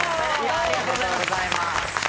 ありがとうございます！